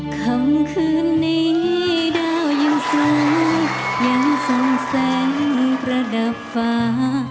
คำคืนนี้ดาวยังสวยยังส่งแสงประดับฟ้า